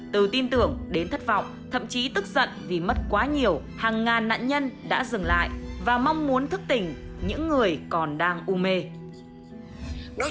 từ tin tưởng đến thất vọng thậm chí tức giận vì mất quá nhiều hàng ngàn nạn nhân đã dừng lại và mong muốn thức tỉnh những người còn đang u mê